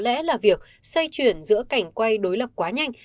lẽ là việc xoay chuyển giữa cảnh quay đối lập quá nhanh